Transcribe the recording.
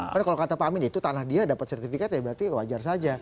karena kalau kata pak amin itu tanah dia dapat sertifikat ya berarti wajar saja